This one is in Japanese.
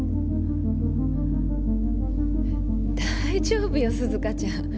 大丈夫よ涼香ちゃん